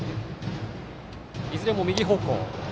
いずれも右方向。